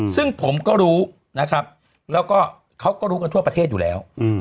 ซึ่งผมก็รู้นะครับแล้วก็เขาก็รู้กันทั่วประเทศอยู่แล้ว